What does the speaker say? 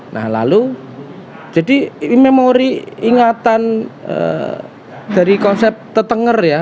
nah lalu jadi memori ingatan dari konsep tetenger ya